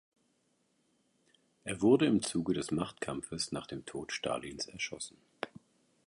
Er wurde im Zuge des Machtkampfes nach dem Tod Stalins erschossen.